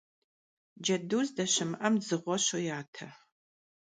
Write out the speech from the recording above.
Cedu zdeşımı'em dzığue şoyate.